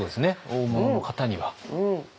大物の方には。